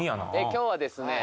今日はですね